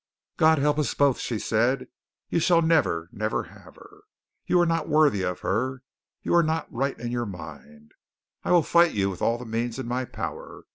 "God help us both!" she said. "You shall never, never have her. You are not worthy of her. You are not right in your mind. I will fight you with all the means in my power.